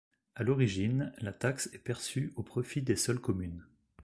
À l'origine, la taxe est perçue au profit des seules communes.